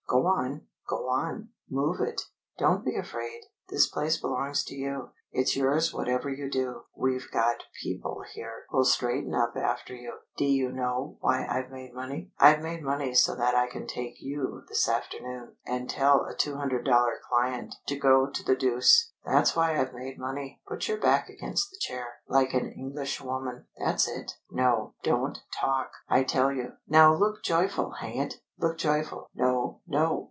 Go on! Go on! Move it! Don't be afraid. This place belongs to you. It's yours. Whatever you do, we've got people here who'll straighten up after you.... D'you know why I've made money? I've made money so that I can take you this afternoon, and tell a two hundred dollar client to go to the deuce. That's why I've made money. Put your back against the chair, like an Englishwoman. That's it. No, don't talk, I tell you. Now look joyful, hang it! Look joyful.... No, no!